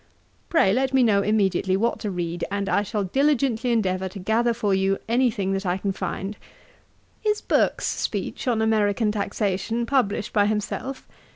Pray let me know immediately what to read, and I shall diligently endeavour to gather for you any thing that I can find. Is Burke's speech on American taxation published by himself?